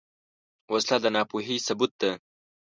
وسله د ناپوهۍ ثبوت ده